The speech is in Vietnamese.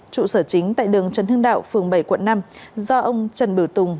trụ sở chính tại đường trần hưng đạo phường bảy quận năm do ông trần biểu tùng